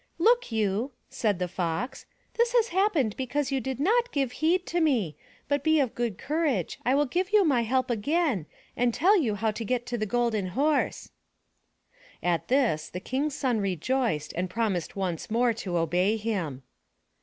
^'Look you,'* said the Fox, "this has happened because you did not give heed to me, but be of good courage, I will give you my help again, and tell you how to get to the Golden Horse.'* 295 MY BOOK HOUSE At this, the King's son rejoiced and promised once more to obey him.